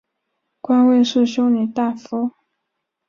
官位是修理大夫。